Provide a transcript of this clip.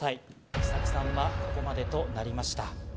季咲さんはここまでとなりました。